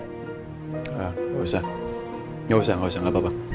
gak usah gak usah gak usah gak apa apa